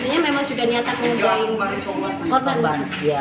artinya memang sudah niat mengerjain korban korban